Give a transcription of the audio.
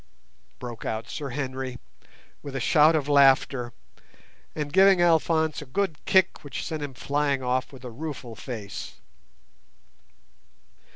broke out Sir Henry, with a shout of laughter, and giving Alphonse a good kick which sent him flying off with a rueful face.